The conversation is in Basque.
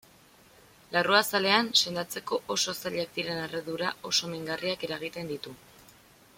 Larruazalean, sendatzeko oso zailak diren erredura oso mingarriak eragiten ditu.